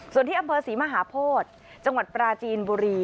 ส่วนที่อำเภอศรีมหาโพธิจังหวัดปราจีนบุรี